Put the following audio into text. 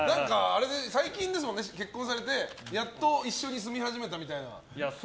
最近、結婚されてやっと一緒に住み始めたみたいな。